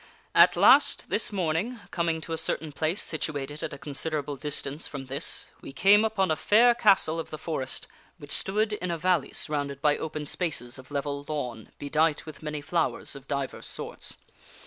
" At last, this morning, coming to a certain place situated at a consider able distance from this, we came upon a fair castle of the forest, which stood in a valley surrounded by open spaces of level lawn, bedight with many flowers of divers sorts.